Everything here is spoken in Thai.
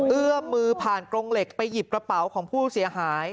เอื้อมมือผ่านกรงเหล็กไปหยิบกระเป๋าของผู้เสียหาย